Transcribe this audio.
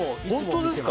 本当ですか？